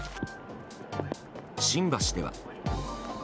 新橋では。